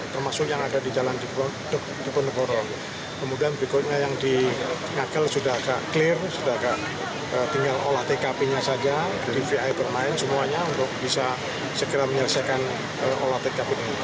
takbercelangagel sudah agak clear sudah agak tinggal olah tkp nya saja dvi bermain semuanya untuk bisa segera menyelesaikan olah tkp ini